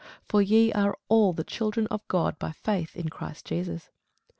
For ye are all the children of God by faith in Christ Jesus.